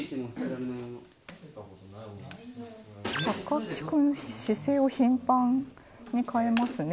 高木君、姿勢を頻繁に変えますね。